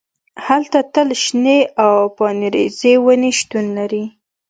هلته تل شنې او پاڼریزې ونې شتون لري